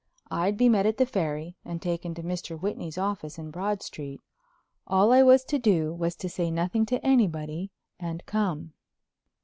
I'd be met at the Ferry and taken to Mr. Whitney's office in Broad Street—all I was to do was to say nothing to anybody and come.